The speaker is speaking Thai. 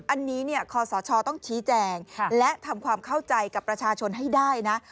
อันนี้คอสชต้องชี้แจงและทำความเข้าใจกับประชาชนให้ได้นะ